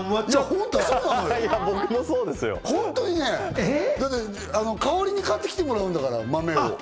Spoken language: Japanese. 本当よ、本当にね、香織に買ってきてもらうんだから、豆を。